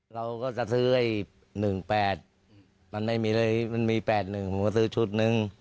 เราก็จะซื้อไอ้๑๘มันไม่มีเลยมันมี๘๑ผมก็ซื้อชุดนึง